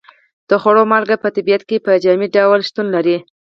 د خوړو مالګه په طبیعت کې په جامد ډول شتون لري.